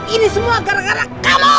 ini semua gara gara kalah